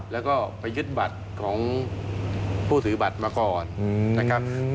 แล้วก็ไปยึดบัตรของผู้ถือบัตรมาก่อนนะครับ